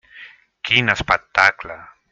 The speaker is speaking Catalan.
Quin espectacle!